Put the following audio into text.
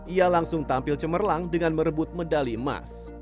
ia langsung tampil cemerlang dengan merebut medali emas